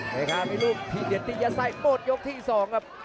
เมฆ่ามีรูปที่เดียดดียัดไส้หมดยกที่สองครับ